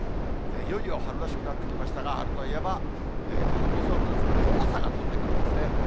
いよいよ春らしくなってきましたが、春といえば花粉もそうなんですけど、黄砂が飛んでくるんですね。